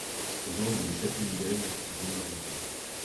Aux angles de chacune d'elles, se tenait un pompier.